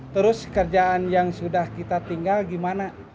terus kerjaan yang sudah kita tinggal gimana